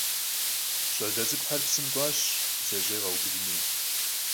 Ş'ale ts'ık'uxer psım k'uaş bdzejêy khaubıdınu.